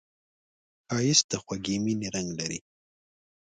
ښایست د خوږې مینې رنګ لري